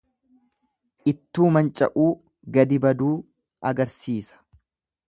Ittuu manca'uu, gadi baduu agarsiisa.